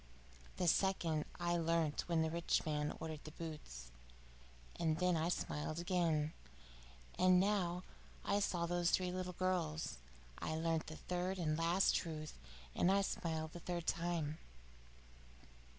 The second I learnt when the rich man ordered the boots, and then I smiled again. And now, when I saw those little girls, I learn the third and last truth, and I smiled the third time."